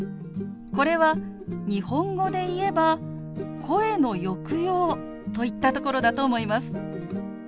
これは日本語でいえば声の抑揚といったところだと思います。